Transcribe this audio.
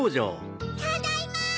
・ただいま！